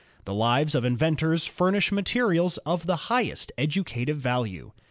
The lives of inventors furnish materials of the highest educative value.